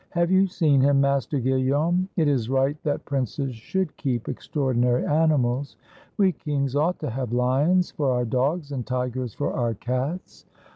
Have you seen him, Master Guillaume? It is right that princes should keep extraordinary animals. We kings ought to have lions for our dogs and tigers for our cats.